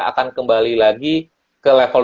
akan kembali lagi ke level